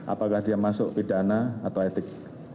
apakah dia masuk pidana atau etik